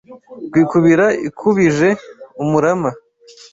Rwikubira ikubije umurama